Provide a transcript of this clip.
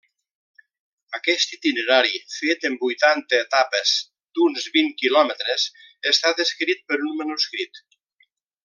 Aquest itinerari, fet en vuitanta etapes d'uns vint quilòmetres, està descrit per un manuscrit.